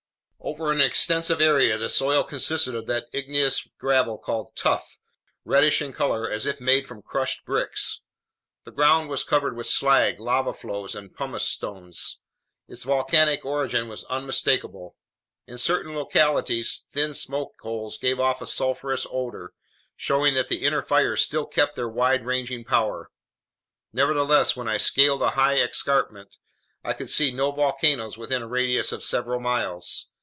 Over an extensive area, the soil consisted of that igneous gravel called "tuff," reddish in color as if made from crushed bricks. The ground was covered with slag, lava flows, and pumice stones. Its volcanic origin was unmistakable. In certain localities thin smoke holes gave off a sulfurous odor, showing that the inner fires still kept their wide ranging power. Nevertheless, when I scaled a high escarpment, I could see no volcanoes within a radius of several miles.